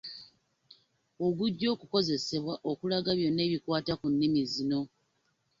Ogujja okukozesebwa okulaga byonna ebikwata ku nnimi zino